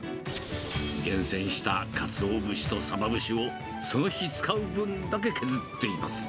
厳選したカツオ節とサバ節をその日使う分だけ削っています。